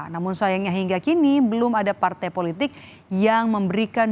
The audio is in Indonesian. namun sayangnya hingga kini belum ada partai politik yang memberikan